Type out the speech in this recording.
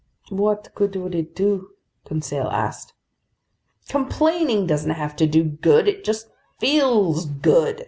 "What good would it do?" Conseil asked. "Complaining doesn't have to do good, it just feels good!